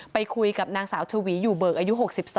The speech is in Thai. ไปคุยกับนางสาวชวีอยู่เบิกอายุ๖๒